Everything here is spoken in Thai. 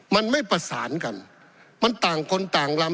มันไม่ประสานกันมันต่างคนต่างลำ